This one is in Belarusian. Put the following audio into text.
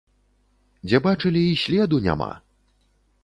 Дзе бачылі, і следу няма!